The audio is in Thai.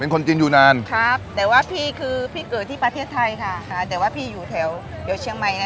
คนจีนอยู่นานครับแต่ว่าพี่คือพี่เกิดที่ประเทศไทยค่ะค่ะแต่ว่าพี่อยู่แถวเดี๋ยวเชียงใหม่ไง